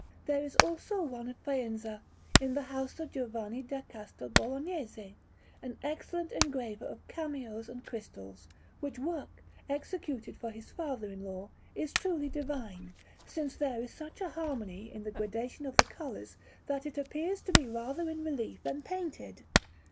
There is also one at Faenza, in the house of Giovanni da Castel Bolognese, an excellent engraver of cameos and crystals; which work, executed for his father in law, is truly divine, since there is such a harmony in the gradation of the colours that it appears to be rather in relief than painted.